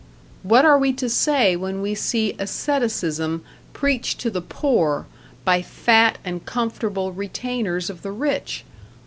What are we to say when we see asceticism preached to the poor by fat and comfortable retainers of the rich?